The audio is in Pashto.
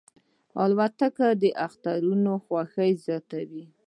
الوتکه د اخترونو خوښي زیاتوي.